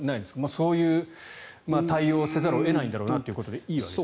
そういう対応をせざるを得ないだろうなということでいいんですか。